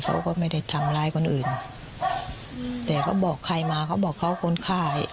เขาก็ไม่ได้ทำร้ายคนอื่นแต่เขาบอกใครมาเขาบอกเขาคนฆ่า